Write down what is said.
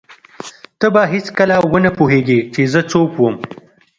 ته به هېڅکله ونه پوهېږې چې زه څوک وم.